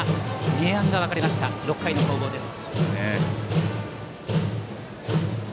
明暗が分かれた６回の攻防です。